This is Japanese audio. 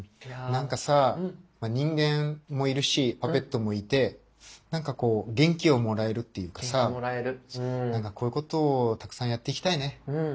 何かさ人間もいるしパペットもいて何かこう元気をもらえるっていうかさ何かこういうことをたくさんやっていきたいね。